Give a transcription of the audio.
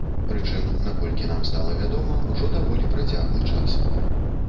Прычым, наколькі нам стала вядома, ужо даволі працяглы час.